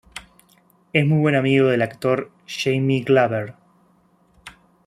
Es muy buen amigo del actor Jamie Glover.